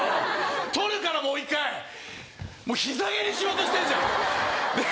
録るからもう一回もう膝蹴りしようとしてんじゃんねえ